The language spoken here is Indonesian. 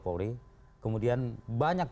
polri kemudian banyak